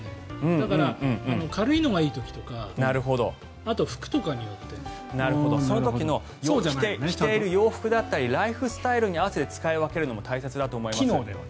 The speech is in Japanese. だから、軽いのがいい時とかあと服とかによって。その時着ている洋服だったりライフスタイルに合わせて使い分けるのも大切だと思います。